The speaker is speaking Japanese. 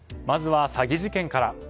まずは詐欺事件から。